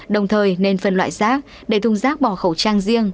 đồng thời nên phân loại rác để thùng rác bỏ khẩu trang riêng